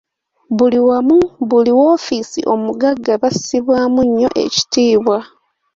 Buli wamu, buli woofiisi omugagga bassibwamu nnyo ekitiibwa.